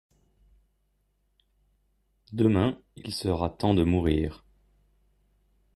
Demain, il sera temps de mourir.